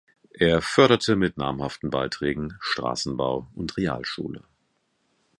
Er förderte mit namhaften Beiträgen Strassenbau und Realschule.